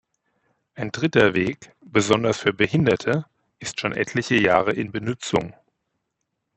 Ein dritter Weg, besonders für Behinderte, ist schon etliche Jahre in Benützung.